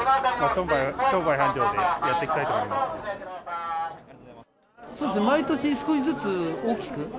そうですね、毎年少しずつ大きく。